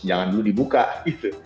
jangan dulu dibuka gitu